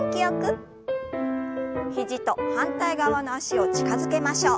肘と反対側の脚を近づけましょう。